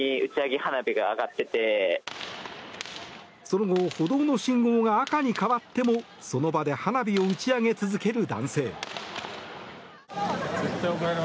その後、歩道の信号が赤に変わってもその場で花火を打ち上げ続ける男性。